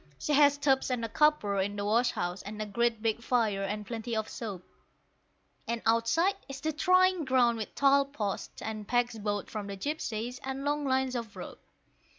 She has tubs and a copper in the wash house, and a great big fire and plenty of soap; And outside is the drying ground with tall posts, and pegs bought from the gipsies, and long lines of rope.